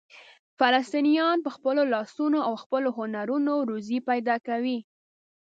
فلسطینیان په خپلو لاسونو او خپلو هنرونو روزي پیدا کوي.